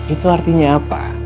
itu artinya apa